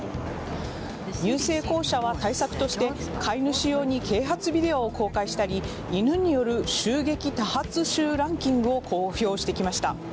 郵政公社は対策として飼い主用に啓発ビデオを公開したり犬による襲撃多発州ランキングを公表してきました。